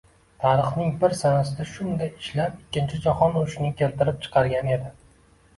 Tarixning bir sanasida shunday ishlar ikkinchi jahon urushini keltirib chiqargan edi...